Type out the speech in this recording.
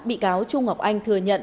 bị cáo trung ngọc anh thừa nhận